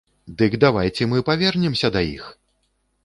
Дык давайце мы павернемся да іх!